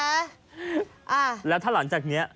อ่าแล้วถ้าหลังจากเนี้ย